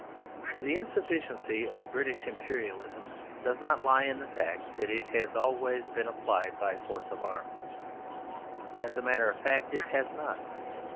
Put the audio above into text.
The insufficiency of British Imperialism does not lie in the fact that it has always been applied by force of arms. As a matter of fact, it has not.